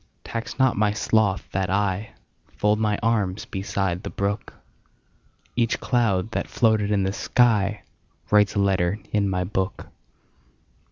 Tax not my sloth that IFold my arms beside the brook; Each cloud that floated in the skyWrites a letter in my book.